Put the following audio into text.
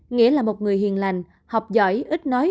nghĩa là một người hiền lành học giỏi ít nói